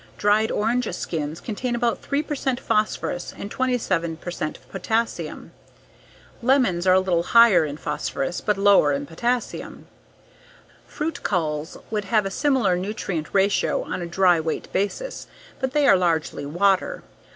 Dried orange skins contain about 3 percent phosphorus and 27 percent potassium. Lemons are a little higher in phosphorus but lower in potassium. Fruit culls would have a similar nutrient ratio on a dry weight basis, but they are largely water.